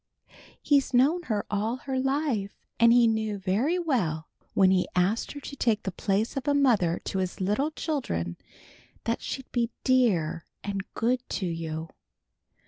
He's known her all her life, and he knew very well when he asked her to take the place of a mother to his little children that she'd be dear and good to you.